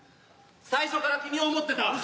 最初から君を思ってた。